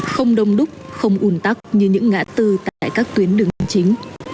không đông đúc không ùn tắc như những ngã tư tại các tuyến đường chính